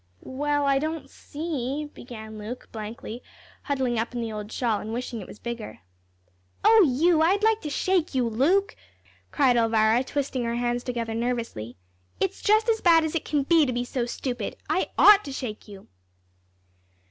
"Well, I don't see," began Luke, blankly, huddling up in the old shawl and wishing it was bigger. "Oh, you, I'd like to shake you, Luke!" cried Elvira, twisting her hands together nervously; "it's just as bad as it can be to be so stupid. I ought to shake you."